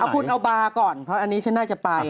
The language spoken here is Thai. เอาบาคาราโอเกะก่อนเพราะอันนี้ฉันน่าจะไป